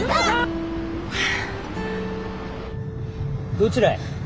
どちらへ？